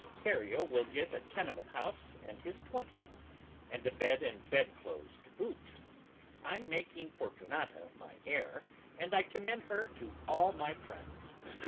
Carrio will get a tenement house and his twentieth, and a bed and bedclothes to boot. I'm making Fortunata my heir and I commend her to all my friends.